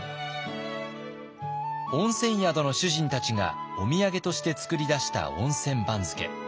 温泉宿の主人たちがお土産として作り出した温泉番付。